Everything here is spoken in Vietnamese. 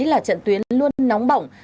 là trận tuyến luôn nóng bỏng